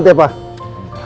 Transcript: telat ya pa